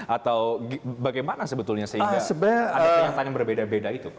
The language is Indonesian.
atau bagaimana sebetulnya sehingga ada kenyataan yang berbeda beda itu pak